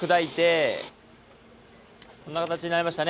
こんな形になりましたね